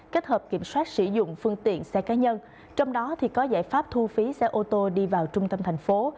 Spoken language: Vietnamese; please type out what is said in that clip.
kết hợp kiểm soát sử dụng phương tiện xe cá nhân trong đó có giải pháp thu phí xe ô tô đi vào trung tâm thành phố